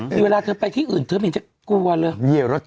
เย่แรกชัดเลย